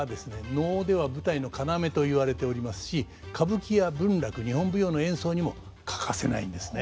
能では舞台の要と言われておりますし歌舞伎や文楽日本舞踊の演奏にも欠かせないんですね。